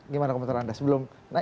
gimana komentar anda